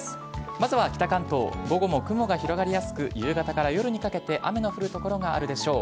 まずは北関東、午後も雲が広がりやすく、夕方から夜にかけて雨の降る所があるでしょう。